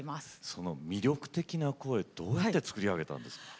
その魅力的な声どうやって作り上げたんですか？